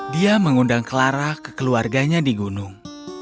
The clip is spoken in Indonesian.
dia mengundang clara ke keluarganya di gunung